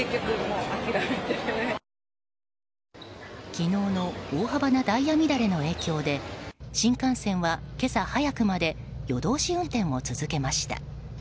昨日の大幅なダイヤ乱れの影響で新幹線は今朝早くまで夜通し運転を続けました。